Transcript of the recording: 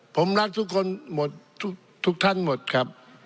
ผมรักทุกคนหมดทุกท่านหมดครับ